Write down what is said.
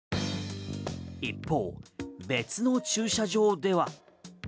一方、別の駐車場では。